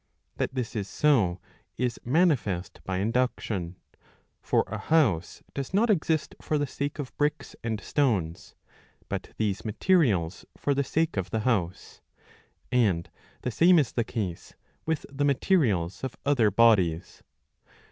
(That this is so is manifest by induction. For a house does not exist for the sake of bricks and stones, but these materials for the 646 a. 20 ii. I. sake of the house ; and the same is the case with the materials of other bodies.